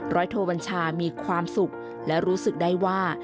โทบัญชามีความสุขและรู้สึกได้ว่า